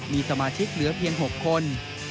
มีสมาชิกเหลือเพียง๖คน